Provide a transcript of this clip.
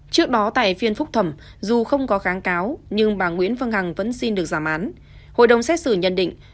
trước đó tại phiên phúc thẩm dù không có kháng cáo nhưng bà nguyễn phương hằng vẫn xin được giảm án